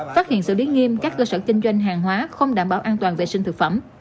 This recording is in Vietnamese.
phát hiện xử lý nghiêm các cơ sở kinh doanh hàng hóa không đảm bảo an toàn vệ sinh thực phẩm